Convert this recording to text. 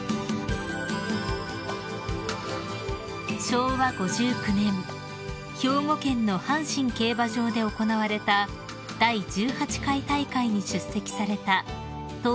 ［昭和５９年兵庫県の阪神競馬場で行われた第１８回大会に出席された当時大学１年生の秋篠宮さま］